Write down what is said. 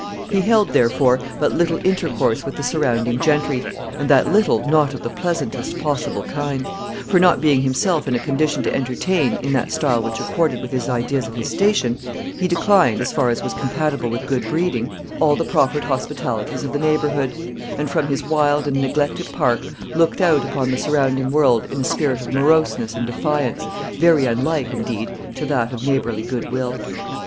He held, therefore, but little intercourse with the surrounding gentry, and that little not of the pleasantest possible kind; for, not being himself in a condition to entertain, in that style which accorded with his own ideas of his station, he declined, as far as was compatible with good breeding, all the proffered hospitalities of the neighborhood; and, from his wild and neglected park, looked out upon the surrounding world in a spirit of moroseness and defiance, very unlike, indeed, to that of neighborly good will.